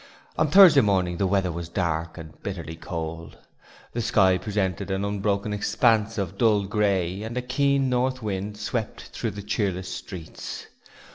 On Thursday morning the weather was dark and bitterly cold. The sky presented an unbroken expanse of dull grey and a keen north wind swept through the cheerless streets.